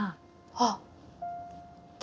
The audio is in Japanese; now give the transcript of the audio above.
あっ。